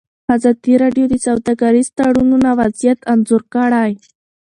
ازادي راډیو د سوداګریز تړونونه وضعیت انځور کړی.